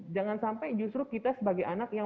jangan sampai justru kita sebagai anak yang